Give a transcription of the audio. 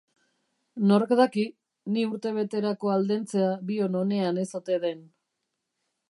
Nork daki, ni urtebeterako aldentzea bion onean ez ote den